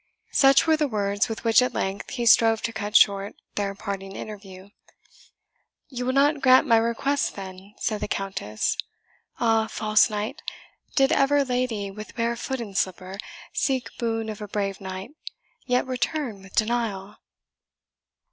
Such were the words with which at length he strove to cut short their parting interview. "You will not grant my request, then?" said the Countess. "Ah, false knight! did ever lady, with bare foot in slipper, seek boon of a brave knight, yet return with denial?"